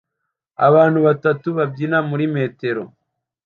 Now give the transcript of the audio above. Abantu batatu babyina muri metero